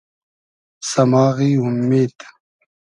سئماغی اومید